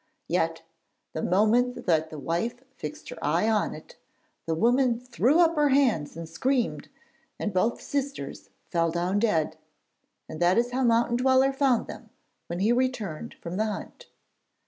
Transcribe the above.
Yet the moment that the wife had fixed her eye on it, the woman threw up her hands and screamed, and both sisters fell down dead; and that is how Mountain Dweller found them when he returned from the hunt.